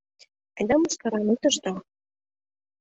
— Айда, мыскарам ит ыштыл!